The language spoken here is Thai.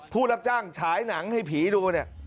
ผู้รับจ้างฉายหนังให้ผีดูเนี่ย